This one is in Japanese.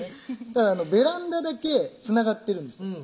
ただベランダだけつながってるんです